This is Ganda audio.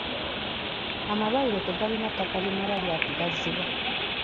Amalwaliro tegalina ttaka limala lya kugaziwa.